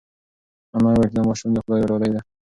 انا وویل چې دا ماشوم د خدای یوه ډالۍ ده.